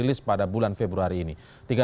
jin cnn indonesia